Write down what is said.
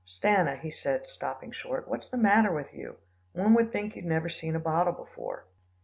"Stanna," he said stopping short, "what's the matter with you? One would think you'd never seen a bottle before."